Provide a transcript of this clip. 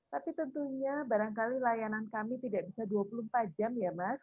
tapi tentunya barangkali layanan kami tidak bisa dua puluh empat jam ya mas